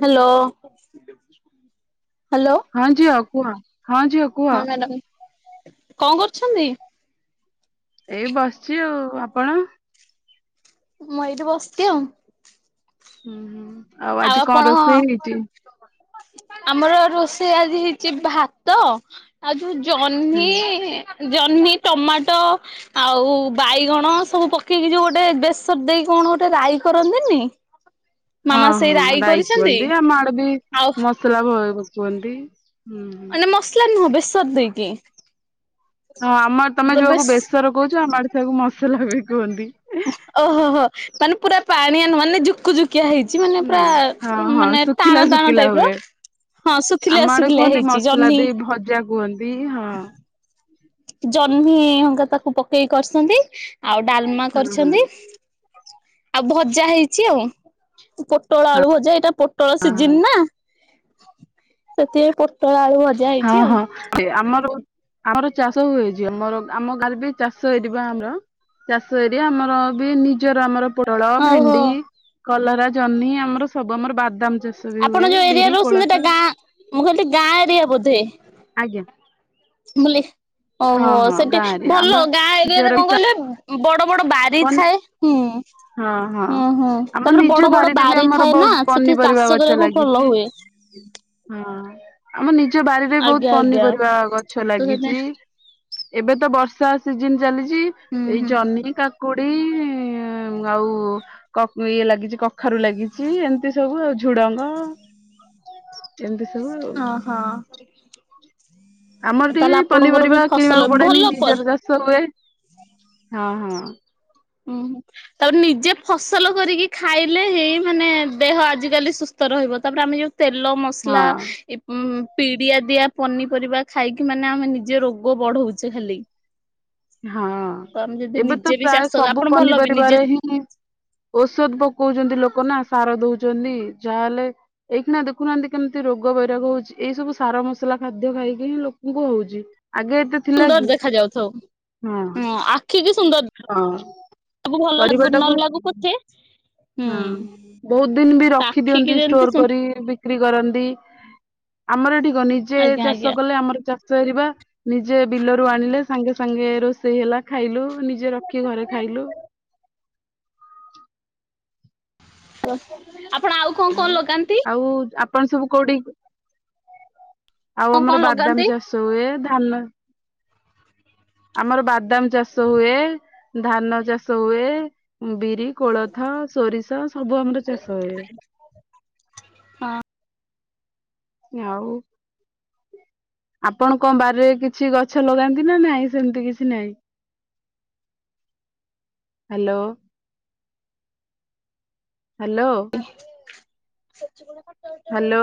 Hello. ହଁ ଝିଅ କୁଆ ହଁ ଝିଅ କୁହ। ହଁ ମ୍ୟାଡ଼ାମ କଣ କରୁଛନ୍ତି? ଏଇ ବସିଚି ଆଉ ଆପଣ? ମୁ ଏଠି ବସିଚି ଆଉ। ହୁଁ ହୁଁ ଆଉ ଆଜି କଣ ରୋଷେଇ ହେଇଚି? ଆମର ରୋଷେଇ ଆଜି ହେଇଚି ଭାତ ଆଉ ତୁ ଆଜ୍ଞା। ଜହ୍ନିଇ ଜହ୍ନି ଟମାଟ ଆଉ ବାଇଗଣ ସବୁ ପକେଇକି ଯୋଉ ଗୋଟେ ବେସର ଦେଇ କଣ କଣ ଗୋଟେ ରାଇ କରନ୍ତିନି? ହଁ ମାମା ସେଇ ହଁ ରାଇ କରିଛନ୍ତି କୁହନ୍ତି ଆମ ଆଡେ ବି ଆଉ ମସଲା ଭ କୁହନ୍ତି। ହୁଁ ହୁଁ ମାନେ ମସଲା ନୁହଁ ବେସର ଦେଇକି ହଁ ଆମ ତମେ ତ ବେଶ ଯୋଉଆକୁ ବେସର କହୁଚ ଆମ ଆଡେ ସେକୁ ମସଲା ବି କୁହନ୍ତି। ଓ ହୋ ହୋ ମାନେ ପୁରା ପାଣିଆ ନୁହ ମାନେ ଜକୁୁ ଜୁକ। କିଆ ହେଇଚି ମାନେ ନା ପୁରା ହଁ ହଁ ମାନେ ଟାଣ ଶୁଖିଲା ଟାଣ ଶୁଖିଲା ଟାଇପର। ହୁଏ। ହଁ ଶୁଖିଲିଆ ଶୁଖିଲିଆ ହେଇଛି ଜହ୍ନି। କୁହନ୍ତିି ହଁ। ଜହ୍ନି ଅଙ୍କା ତାକୁ ପକେଇକି କରିଛନ୍ତି। ଆଉ ଡାଲମା ହଁ ହଁ। କରିଛନ୍ତି ଆଉ ଭଜା ହେଇଚି ଆଉ। ପୋଟଳ ଆଳୁ ଭଜା ଏଇଟା ପୋଟଳ ହଁ। ସିଜିନ୍ ନା ସେଥିଆଇ ପୋଟଳ ଆୁ ହଁ ହଁ ସେ ଆମ ଆମର ଚାଷ ହୁଏଇଛି ଆମର ଆମ ଗାରେ ବି ଚାଷ ହେଇ ଟି ବା ଆମର। ଚାଷ ଏରିଆ, ଆମରବି ନିଜର ଆମର ପୋଟଳ, ଓହୋ ଭେଣ୍ଡି, କଲରା, ଜହ୍ନି ଆମର ସବୁ ଆମର ବାଦ ବାଦାମ ଚାଷ ବି ଆପଣ ହୁଏ। ଯୋଉ ଏରିଆ ବିରି, ରହୁଛନ୍ତି ଏଟା କୋଳଥ ଗାଁ ମୁଁ କହିଲି ଗାଁ ଏରିଆ ବୋଧେ ଆଜ୍ଞା। ବୋଲି ହଁ ଓହୋ ହଁ ସେଠି ଗାଁ ଏରିଆ ଆମର ଭଲ ଗାଁ ନିଜର ଏରିଆରେ ବି କଣ ଚା କହିଲେ ବଡ ବଡ ବାରି ପନ୍ ଥାଏ, ହୁଁ। ହଁ ହଁ। ହୁଁ ହୁଁ ଆମ ତାପରେ ନିଜ ବଡ ବଡ ବାରିରେ ବି ବାରି ଆମର ଥାଏ ନା ବହୁତ ସେଠି ପନିପରିବା ଚାଷ ଗଛ କରିବାକୁ ଲାଗିଛି ଭଲ ହୁଏ। [inaudible] ହଁ ଆମ ନିଜ ବାରିରେ ବହୁତ ଆଜ୍ଞା ଆଜ୍ଞା ପନିପରିବା ଗଛ ତ ସେଥିପାଇଁ ଲାଗିଚି। ଏବେ ତ ବର୍ଷା ସିଜିନ୍ ଚାଲିଚି। ହୁଁ ଏଇ ହୁଁ ଜହ୍ନି, କାକୁଡି ଆଉ କ ଇଏ ଲାଗିଚି କଖାରୁ ଲାଗିଚି ଏମିତି ସବୁ ଆଉ ଝୁଡଙ୍ଗ ଏମିତି ସବୁ ଆଉ। ଓହୋ ଆମର ଟିକେ ତାହେଲେ ଏଇ ଆପଣଙ୍କର ବି ପନିପରିବା ଫସଲ କିଣିବାକୁ ପଡେନି ଭଲ ଉଁ ନିଜର ଚାଷ ହୁଏ। ହଁ ହଁ। ହୁଁ ହୁ ତାପରେ ନିଜେ ଫସଲ କରିକି ଖାଇଲେ ହିଁ ମାନେ ଦେହ ଆଜିକାଲି ସୁସ୍ଥ। ରହିବ। ତାପରେ ଆମେ ଯୋଉ ତେଲ ମସଲା ହଁ ଏ ପିଡିଆ ଦିଆ ପନିପରିବା ଖାଇକି ମାନେ ଆମେ ନିଜ ରୋଗ ବଢ଼ଉଛେ ଖାଲି। ହଁ ତ ଆମେ ଯଦି ଏବେ ତ ନିଜେ ବି ପ୍ରାୟ ଚାଷ ସବୁ। ଆପଣ ଭଲ ବି ନିଜେ ପନିପରିବାରେ ହିଁ ଔଷଧ ପକଉଚନ୍ତି ଲୋକ ନା ସାର। ଦଉଛନ୍ତି। ଯାହାହେଲେ ଏଇଖିଣା ଦେଖୁନାହାନ୍ତି କେମିତି ରୋଗ ବୈରାଗ ହଉଛି। ଏଇ ସବୁ ସାର ମସଲା ଖା ଖାଦ୍ୟ ଖାଇକି ହିଁ ଲୋକଙ୍କୁ ହଉଛି। ଆଗେ ଏତେ ଥିଲା ସୁନ୍ଦର କି? ଦେଖା ଯାଉଥାଉ ହଁ ଆଖି କି ସୁନ୍ଦର ହଁ ସବୁ ଭଲ ଲାଗୁ ନ ପରିବାଟାକୁୁ। ଲାଗୁ ପଛେ ହୁଁ ବହୁତ ଦିନ ବି ରଖି ଆଖିକି ଦିଅନ୍ତି ଯେମିତି ଷ୍ଟୋର କରି ବି ବିକ୍ରି କରନ୍ତି। ଆମର ଏଠିକଣ ନିଜେ ଆଜ୍ଞା ଆଜ୍ଞା ଚାଷ କଲେ ଆମରି ଚାଷ। ଚରିବା। ନିଜେ ବିଲରୁ ଆଣିଲେ ସାଙ୍ଗେ ସାଙ୍ଗେ ରୋଷେଇ ହେଲା ଖାଇଲୁ। ନିଜେ ରଖି ଘରେ ଖାଇଲୁ। ଆପ। ଆଉ ଆଉ ଆପଣ ସବୁ କୋଉଠି। ଆଉ କଣ କଣ ଆମର ଲଗାନ୍ତି? ବାଦାମ ଚାଷ ହୁଏ। ଧାନ ଆମର ବାଦାମ ଚାଷ ହୁଏ ଧାନ ଚାଷ ହୁଏ ବି ରି, କୋଳଥ, ସୋରିଷା, ସବୁ ଆମର ଚାଷ ହୁଏ। ହଁ। ଆଉ। ଆପଣ କଣ ବାରିରେ କିଛି ଗଛ ଲଗାନ୍ତି ନା ନାଇଁ ସେମିତି କିଛି ନାଇଁ। ହାଲୋ। ହାଲୋ। [unintelligible] ହା ଲୋ।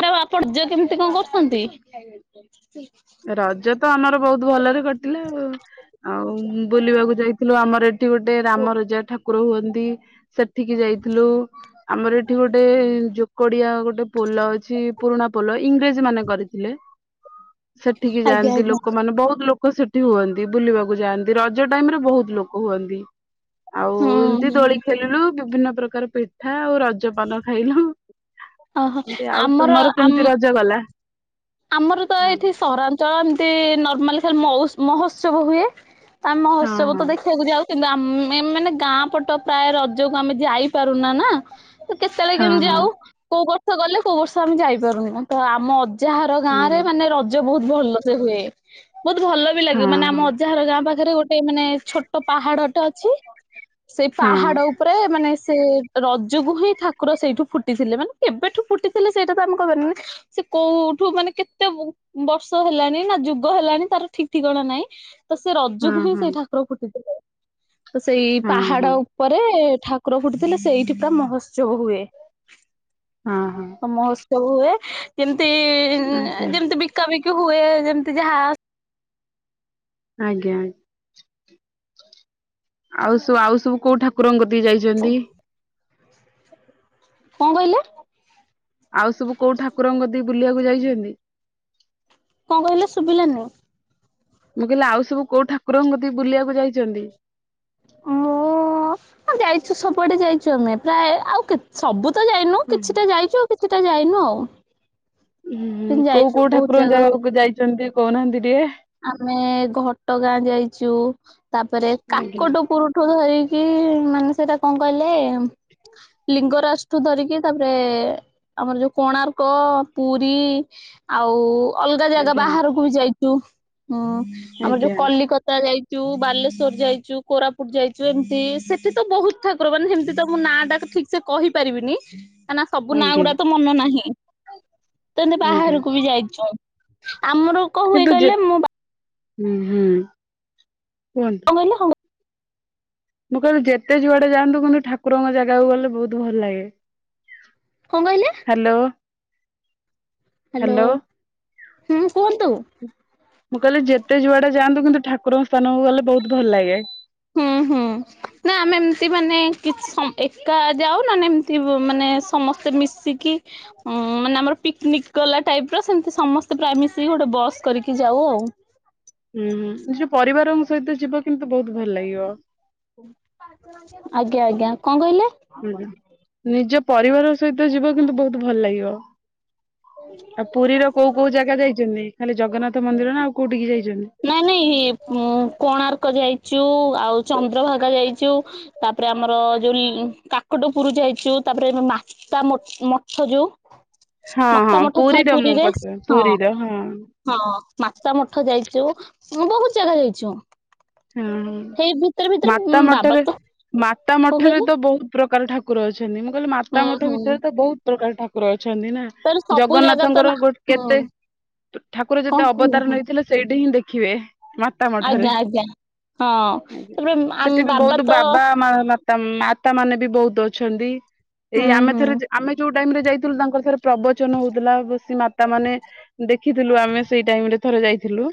ମ୍ୟାଡ଼ାମ ଆପଣ ଯ କେମିତି କଣ କରୁଛନ୍ତି। ରଜ ତ ଆମର ବହୁତ ଭଲରେ କଟିଲା ଆଉ, ଆଉ ବୁଲିବାକୁ ଯାଇ ଥିଲୁ ଆମର ଏଠି ଗୋଟେ ରାମ ରଜା ଠାକୁର ହୁଅନ୍ତି। ସେଠିକି ଯାଇଥିଲୁ। ଆମର ଏଠି ଗୋଟେ ଯୋକଡିଆ ଗୋଟେ ପୋଲ ଅଛି ପୁରୁଣା ପୋଲ। ଇଂରେଜ ମାନେ କରିଥିଲେ ସେଠିକି ଯାଆନ୍ତି ଲୋକମାନେ ବହୁତ ଲୋକ। ଲୋକ ସେଠି ହୁଅନ୍ତି ବୁଲିବାକୁ ଯାଆନ୍ତି ରଜ ଟାଇମରେ ବହୁତ ଲୋକ ହୁଅନ୍ତି। ଆଉ ହୁଁ ଏମିତି ହୁଁ ଦୋଳି ଖେଲିଲୁ ବିଭିନ୍ନ ପ୍ରକାର ପିଠା ଆଉ ରଜପାନ ଖାଇଲୁ। ଓହୋ ଆଉ ଆମର ତୁମର ଆମ କେମିତି ରଜ ଗଲା। ଆମର ତ ହଁ ଏଠି ସହରାଞ୍ଚଳ ଏମତି ନର୍ମାଲି ଖାଲି ମଉସ ମହୋତ୍ସବ ହୁଏ। ତା ହଁ ମହୋତ୍ସବ ହଁ ତ ଦେଖିବାକୁଯାଉ। କିନ୍ତୁ ଆମେ ମାନେ ଗାଁ ପଟ ପ୍ରାୟ ରଜକୁ ଆମେ ଯାଇପାରୁନା ନା। କେତେଏଳେ ହଁ କେମିତି ହଁ। ଯାଉ କୋଉ ବର୍ଷ ଗଲେ କୋଉ ବର୍ଷ ଆମେ ଯାଇ ପାରୁନୁ ତ ଆମ ଅଜ ଯା ହର ଗାଁ ରେ ହଁ ମାନେ ରଜ ବହୁତ ଭଲ ସେ ହୁଏ ବହୁତ ଭଲ ବି ଲାଗେ ହଁ ମାନେ ଆମ ଅଜା ହର ଗାଁ ପାଖରେ। ପାଖରେ ଗୋଟେ ମାନେ ଛୋଟ ପାହାଡଟେ ଅଛି ସେଇ ହଁ ପାହାଡ ଉପରେ ମାନେ ସେ ରଜକୁ ହିଁ ଠାକୁର ସେଇଠୁ ଫୁଟିଥିଲେ ମାନେ କେବେଠୁ ଫୁଟିଥିଲେ ସେଇଟା ତ ଆମେ କହି ପାରିବାନି। କୋଉଠୁ ମାନେ କେତେ ବ -ବର୍ଷ ହେଲାଣି ନା ଯୁଗ ହେଲାଣି ତାର ଠିକ ଠିକଣା ନହିଁ। ତ ସେ ହଁ ରଜକୁ ହିଁ ହଁ ସେଇ ଠାକୁର ଫୁଟିଥିଲେ। ତ ସେଇ ହଁ ହଁ ହଁ ପାହାଡ ଉପରେ। ଠାକୁର ଫୁଠିଥିଲେ ସେଇଠି ପୁରା ମହୋତ୍ସବ ହୁଏ। ହଁ ହଁ। ତ ମହୋତ୍ସବ ହୁଏ ଯେମତି ଆଜ୍ଞା ଯେମତି ବିକାବିକି ହୁଏ ଯେମିତି ଯାହା। ଆଜ୍ଞା ଆଉ ସବୁ ଆଉ ସବୁ କୋଉ ଠାକୁରଙ୍କ କ କତିକୀ ଯାଇଚନ୍ତି। କଣ କହିଲେ? ଆଉ ସବୁ କୋଉ ଠାକୁରଙ୍କ ଦେଇ ବୁଲିବାକୁ ଯାଇଛନ୍ତି? କଣ କହିଲେ ଶୁଭିଲାନି? ମୁଁ କହିଲି ଆଉ ସବୁ କୋଉ ଠାକୁରଙ୍କ କତିକି ବୁଲିବାକୁ ଯାଇଛନ୍ତି? ଓ ଆ ଯାଇଛୁ ସବୁଆଡେ ଯାଇଛୁ ଆମେ ପ୍ରାୟ ଆଉ ସବୁ ତ ଯାଇନୁ ହୁଁ କିଛିଟା ଯାଇଛୁ ଆଉ କିଛିଟା ଯାଇନୁ ଆଉ। ହୁଁ କିନ୍ତୁ କୋଉ ଯାଇଛୁ କୋଉ ବହୁତ ଠାକୁରଙ୍କ ଜାଗା ଜାଗାକୁ ଯାଇଛନ୍ତି କହୁନାହାନ୍ତି ଟିକେ? ଆମେ ଘଟଗାଁ ଯାଇଛୁ ତାପରେ ଆଜ୍ଞା କାକଟ ପୁରଠୁ ଧରି କି ମାନେ ସେଇଟା କଣ କହିଲେ ଲିଙ୍ଗରାଷ୍ଟୁ ଧରିକି ତାପରେ ଆମର ଯୋଉ କୋଣାର୍କ, ପୁରୀ, ଆଉ ଅଲଗା ଜାଗା ଆଜ୍ଞା ବାହାରକୁ ବି ଯାଇଛୁ ହୁଁ ଆମର ଯୋଉ ଆଜ୍ଞା କଲିକତା ଯାଇ ଯୋଉ ବାଲେଶ୍ଵର ଯାଇଛୁ, କୋରାପୁଟ ଯାଇଛୁ, ଏମିତି ସେଠି ତ ବହୁତ ଠାକୁର ମାନେ ସେମିତି ତ ମୁୋ ନାଁ ଡାକ ଠିକ ସେ କହିପାରିବିନି କାଁକନା ସବୁ ନାଁ ଆଜ୍ଞା ଗୁଡା ତ ମନ ନାହିଁ। ତମେ ଆଜ୍ଞା ବାହାରକୁ ବି ଯାଇଛୁ ଆମର କଣ ହୁଏ କିନ୍ତୁ ଯେ କହିଲେ ମୁଁ ବା ହୁଁ ହୁଁ କୁହନ୍ତୁ? କଣ କହିଲେ ହଁ ମୁଁ କହିଲି ଯେତେ ଯୁଆଡେ ଯାଆନ୍ତୁ କିନ୍ତୁ ଠାକୁରଙ୍କ ଜାଗାକୁ ଗଲେ ବହୁତ ଭଲ ଲାଗେ। କଣ କହିଲେ ହ୍ୟାଲୋ। ହ୍ୟାଲୋ, ହୁଁ। କୁହନ୍ତୁ। ମୁଁ କହିଲି ଯେତେ ଯୁଆଡେ ଯାଆନ୍ତୁ କିନ୍ତୁ ଠାକୁରଙ୍କ ସ୍ଥାନକୁ ଗଲେ ବହୁତ ଭଲ ଲାଗେ। ହୁଁ ହୁଁ ନା ଆମେ ଏମତି ମାନେ କିଛି ଏକା ଯାଉ ନେ ଏମିତି ମାନେ ସମସ୍ତେ ମିଶିକି ମାନେ ଆମର ପିକନିକ ଗଲା ଟାଇପ ର ସେମତି ସମସ୍ତେ ପୁରା ମିଶିକି ଗୋଟେ ବସ୍ କରିକି ଯାଉ ଆଉ। ହ ନିଜ ପରିବାରଙ୍କ ସହିତ ଯିବ କିନ୍ତୁ ବହୁତ ଭଲ ଲାଗିବ। ଆଜ୍ଞା ଆଜ୍ଞା। କଣ କହିଲେ ନିଜ ପରିବାର ସହିତ ଯିବ କିନ୍ତୁ ବହୁତ ଭଲ ଲାଗିବ। ଆଉ ପୁରୀର କୋଉ କୋଉ ଜାଗା ଯାଇଛନ୍ତି ଖାଲି ଜଗନ୍ନାଥ ମନ୍ଦିର ନା ଆଉ କୋଉଠିକି ଯାଇ ନାଇଁ ନାଇଁ କୋଣାର୍କ ଯାଇ ଚୁ ଆଉ, ଚନ୍ଦ୍ରଭାଗା ଯାଇଛୁ, ତାପରେ ଆମର ଯୋଉ କାକଟପୁର ଯାଇଛୁ। ତାପରେ ମାତା ମ ମଠ ଯୋଉ? ହ [inaudible] ମାତା ମଠ ଥାଏ ପୁରୀରେ ହଁ ପୁରୀର ହଁ। ହଁ ମାତା ମଠ ଯାଇ ଛୁ, ବହୁତ ଜାଗା ଯାଇଛୁ। ହୁଁ ମାତା ବାବା ମଠରେ ତ ମା ମାତା କଣ ମଠରେ କହିଲେ? ତ ବହୁତ ପ୍ରକାର ଠାକୁର ଅଛନ୍ତି, ମୁଁ କହିଲି ହୁଁ ମାତା ମଠ ହୁଁ ଭିତରେ ତ ବହୁତ ପ୍ରକାର ଠାକୁର ଅ ଅଛନ୍ତି ନା। ତାର ସବୁ ଜାଗା ତ ଜଗନ୍ନାଥଙ୍କର ନା ହୁଁ କେତେ ଠାକୁର କଣ ଯେତେ କହିଲ ଅବଦାର ହଁ ନେଇଥିଲେ ସେଇଠି ହିଁ ଦେଖିବେ ମାତା ଆଜ୍ଞା ମଠରେ। ଆଜ୍ଞା ହଁ ଆଜ୍ଞ। ତାପରେ ଆମ ସେଠି ବି ବହୁତ ତ ବାବା ମା ମାତା ମା ତା ମାନେ ବି ବହୁତ ଅଛନ୍ତି, ଏଇ ହୁଁ ଆମେ ହୁଁ ଥରେ ଆମେ ଯୋଉ ଟାଇମ ରେ ଯାଇଥିଲୁ ତାଙ୍କର ଥରେ ପ୍ରବଚନ ହଉଥିଲା ବସି ମାତା ମାନେ ଦେଖିଥିଲୁ ଆମେ ସେଇ ଟାଇମ ରେ ଥରେ ଯାଇଥିଲୁ।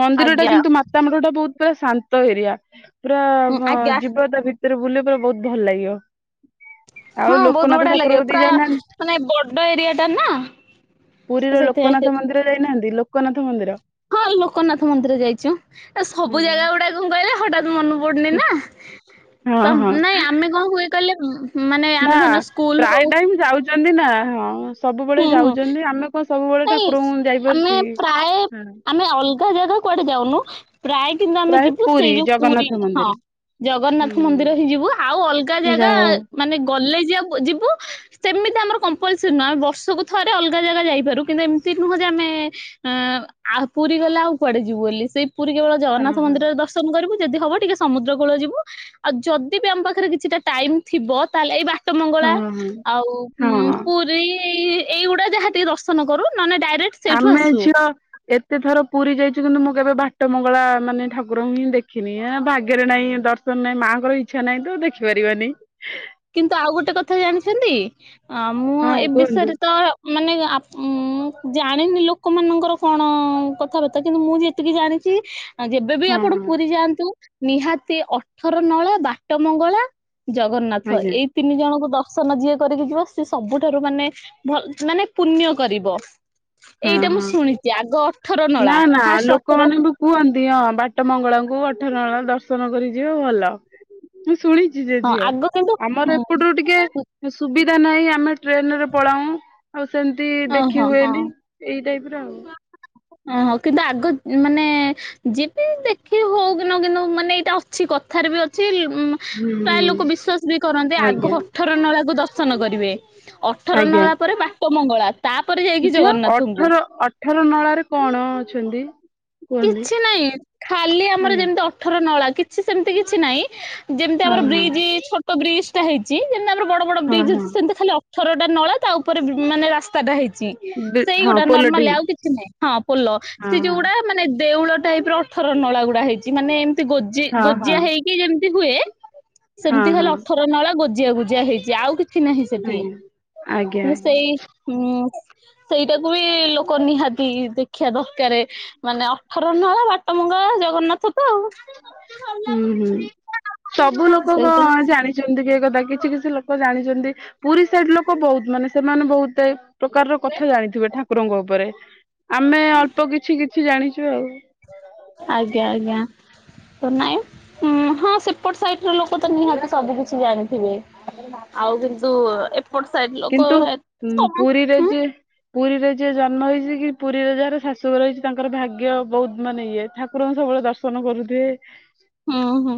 ମନ୍ଦିର ଟା ଆଜ୍ଞା କିନ୍ତୁ ମା ବୋହୁତ ପୁରା ଶାନ୍ତ ଏରିଆ ପୁରା ହୁଁ ପ ଆଜ୍ଞା ଜିବ ତା ଭିତରେ ବୁଲି ବହୁତ ଭଲ ଲାଗିବ। ଆଉ ହଁ ବହୁତ ଲୋକନାଥ ବଢିଆ ଠାକୁର ଲାଗିବ କତିକି ପୁରା ଯାଇନାହାନ୍ତି ମାନେ ବଡ ଏରିଆ ଟା ନା। ତ ପୁରୀର ସେଥିପାଇଁ ସେ ଲୋକନାଥ ମନ୍ଦିର ଯାଇନାହାନ୍ତି ଲୋକନାଥ ମନ୍ଦିର? ହଁ ଲୋକନାଥ ମନ୍ଦିର ଯାଇଛୁ। ସବୁ ଜାଗା ଗୁଡାକ କଣ କହିଲେ ହଠତ୍ ମନେ ପଡୁନି ନା। ହଁ ତ ହଁ ନାଇଁ ଆମେ କଣ ହୁଏ କହିଲେ ମାନେ ନା ଆମେ ଧରନିଅ ସ୍କୁଲ ପ୍ରାୟ ହଉ ଟାଇମ ଯାଉଛନ୍ତି ନା ହଁ ସବୁବେଳେ ହୁଁ ହୁଁ ଯାଉଛନ୍ତି ଆମେ କଣ ସବୁବେଳେ ନାଇଁ ଠାକୁରଙ୍କୁ ଆମେ ଯାଇପାରୁଛି କି? ପ୍ରାୟ ହଁ ଆମେ ଅଲଗା ଜାଗା କୁଆଡେ ଯାଉନୁ ପ୍ରାୟ କିନ୍ତୁ ଆମେ ପ୍ରାୟ ଯିବୁ ପୁରୀ ସେଇ ଯୋଉ ପୁରୀ ଜଗନ୍ନାଥ ହଁ। ମନ୍ଦିର ଜଗନ୍ନାଥ ମନ୍ଦିର ହିଁ ଯିବୁ ଆଉ ଅଲଗା ଜାଗା ଯାହା ହଉ ମାନେ ଗଲେ ଜା ବ ଯିବୁ ସେମିତି ଆମର କମ୍ପଲସରୀ ନୁହଁ ବର୍ଷକୁ ଥରେ ଅଲଗା ଜାଗା ଯାଇପାରୁ। କିନ୍ତୁ ଏମିତି ନୁହଁ ଯେ ଆମେ ଅ ଆ ପୁରୀ ଗଲେ ଆଉ କୁଆଡେ ଯିବୁ ବୋଲି ସେଇ ପୁରୀ କେବଳ ଜଗନ୍ନାଥ ହଁ ମନ୍ଦିର ଦର୍ଶନ କରିବୁ। ଯଦି ହବ ଟିକେ ସମୁଦ୍ର କୂଳ ଯିବୁ ଆଉ ଯଦି ବି ଆମ ପାଖରେ କିଛିଟା ଟାଇମ ଥିବ ତାହେଲେ ଏଇ ବା ଟମଙ୍ଗଳା ଆଉ ହଁ ହଁ ପୁରୀ ଏଇଗୁଡା ଯାହା ଟେ ଦର୍ଶନ କରୁ। ନହେଲେ ଡାଇରେକ୍ଟ ସେଇଠୁ ଆମେ ଆସୁ। ଝିଅ ଏତେ ଥର ପୁରୀ ଯାଇଛୁ କିନ୍ତୁ ମୁଁ କେବେ ବାଟ ମଙ୍ଗଳା ମାନେ ଠାକୁରଙ୍କୁ ହିଁ ଦେଖିନି। ଏ ଭାଗ୍ୟରେ ନାହିଁ ଦର୍ଶନ ନାହିଁ ମାଙ୍କର ଇଚ୍ଛା ନାହିଁ ତ ଦେଖିପାରିବାନି। ଆ ମୁଁ ହଁ ଏ କୁହନ୍ତୁ ବିଷୟରେ ତ ମାନେ ଆ ଜାଣିନି ଲୋକମାନଙ୍କର କଣ କଥାବାର୍ତ୍ତା କିନ୍ତୁ ମୁଁ ଯେତିକି ଜାଣିଚି ଆ ଯେବେବି ହଁ ଆପଣ ହଁ ପୁରୀ ଯାଆନ୍ତୁ ନିହାତି ଅଠର ନଳା ବାଟ ମଙ୍ଗଳା ଜଗ ନାଥ ଆଜ୍ଞା ଏଇ ତିନି ଜଣଙ୍କୁ ଦର୍ ର୍ସନ ଯିଏ କରିକି ଯିବ ସି ସବୁଠାରୁ ମାନେ ଭ ମାନେ ପୁଣ୍ୟ କରିବ। ହଁ ଏଇଟା ମୁଁ ହଁ ଶୁଣିଚି ଆଗ ଅଠର ନା ନଳା ନା ଫାଷ୍ଟ ଅଠର ଲୋକମାନେ ବି କୁହନ୍ତି ହଁ ବାଟ ମଙ୍ଗଳାଙ୍କୁ ଅଠରନଳା ଦର୍ଶନ କରି ଝିଅ ଭଲ ମୁଁ ଶୁଣିଚି ଯେ ହଁ ଝିଅ ଆଗ କିନ୍ତୁ ଆମର ହୁଁ, ଏପଟୁ ଟିକେ ସୁବିଧ ଧା ନାହିଁ ଆମେ ଟ୍ରେନ ରେ ପଳାଉ ଆଉ ସେମତି ଓହୋ ଦେଖି ହୁଏନି ଏଇଟ ଟାଇପ ର ଆଉ। ଓ ହୋ କିନ୍ତୁ ଆଗ ମାନେ ଯିବେ ଦେଖି ହଉ କି ନ ହଉ କିନ୍ତୁ ମାନେ ଏଇଟା ଅଛି। କଥାରେ ବି ଅଛି। ଉ ହୁଁ ପ୍ରାୟ ହୁଁ ଲୋକ ବିଶ୍ଵାସ ବି କରନ୍ତି ଆଗ ଆଜ୍ଞା ଅଠର ନଳାକୁ ଦର୍ଶନ କରିବେ। ଅଠର ଆଜ୍ଞା ନଳା ପରେ ବାଟ ମଙ୍ଗଳା। ତାପରେ ଯାଇକି ଝିଅ ଜଗନ୍ନାଥଙ୍କୁ। ଅଠର ଅଠର ନଳାରେ କଣ ଅଛନ୍ତି? କୁହନ୍ତି କିଛି ନହିଁ ଖାଲି ଆମର ଆଜ୍ଞା ଯେମିତି ଅଠର ନଳା କିଛି ସେମିତି କିଛି ନାଇଁ। ଯେମିତି ଆମର ହଁ ହଁ ବ୍ରିଜ୍ ଛୋଟ ବ୍ରିଜ୍ ଟା ହେଇଚି ଯେମିତି ଆମର ବଡ ବଡ ହଁ ବ୍ରିଜ୍ ହଁ ଅଛି ସେମିତି ଖାଲି ଅଠରଟା ନଳା ତା ଉପରେ ମାନେ ରାସ୍ତାଟା ହେଇଥି ଚି। ବି- ହଁ ସେଇଗୁଟା ନର୍ମାଲି ପୋଲଟି ଆଉ କିଛି ନାହିଁ ହଁ ପୋଲ ହଁ ସେ ଯୋଉଗୁଡା ମାନେ ଦେଉଳ ଟାଇପ ର ଅଠର ନଳା ଗୁଡା ହେଇଚି ମାନେ ଏମିତି ଗୋଜି ହଁ ହଁ ଗୋଜିଆ ହଁ ହେଇକି ଯେମ ହୁଏ ହଁ ସେମିତି ଖାଲି ହଁ ଅଠର ନଳା ଗୋଜିଆ ଗୁଜିଆ ହେଇଚି ଆଉ କିଛି କିଛି ନାହିଁ ସେଠି ଆଜ୍ଞା ଆଜ୍ଞା କିନ୍ତୁ ଆଜ୍ଞା ସେଇ ଉଁ ସେଇଟାକୁ ବି ଲୋକ ନିହାତି ଦେଖିବା ଦରକାରେ ମାନେ ଅଠର ନଳା ବାଟମଙ୍ଗଳା ଜଗନ୍ନାଥ ତ ଆଉ। ସେଇଟା ହୁଁ ହୁଁ ସବୁ ଲୋକ କଣ ଜାଣିଛନ୍ତି କି ଏ କଥା? କିଛି କିଛି ଲୋକ ଜାଣିଚନ୍ତି। ପୁରୀ ସାଇଡ ଲୋକ ବହୁତ ମାନେ ସେମାନେ ବହୁତ କେତେ ପ୍ରକାରର କଥା ଜାଣିଥିବେ ଠାକୁରଙ୍କ ଉପରେ ଆମେ ଅଳ୍ପ କିଛି କିଛି କିଛି ଜାଣିଚୁ ଆଉ। ଆଜ୍ଞା ଆଜ୍ଞା। ତ ନାଇଁଁ ହଁ ସେପଟ ସାଇଟରେ ଲୋକ ତ ନିହାତି ସବୁ କିଛି ଜାଣିଥିବେ। ଆଉ କିନ୍ତୁ ଏ କିନ୍ତୁ ପୁରୀରେ ହୁଁ ଯିଏ ପୁରୀରେ ଯିଏ ଜ ନ୍ମ ହେଇଚି କି ପୁରୀରେ ଯାହାର ଶାଶୁ ଘର ହେଉଚି ତାଙ୍କର ଭାଗ୍ୟ ବହୁତ ମାନେ ଇଏ ଠାକୁରଙ୍କୁ ସବୁବେଳେ ଦର୍ଶନ କରୁ ସେ ହୁଁ ହୁଁ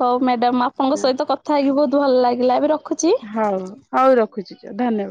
ହଉ ମ୍ୟାଡାମ ଆପଣଙ୍କ ସହିତ କଥା ହେଇକି ବହୁତ ଭଲ ଲାଗିଲା ଏବେ ର ହଉ ହଉ ରଖୁଚି ଧନ୍ୟବାଦ।